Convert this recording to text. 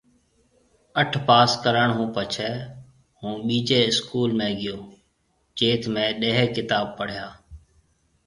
اَٺ پاس ڪرڻ هُون پڇي هون ٻِيجِي اسڪول ۾ گيو جٿ مهيَ ڏهيَ ڪتاب پڙهيَا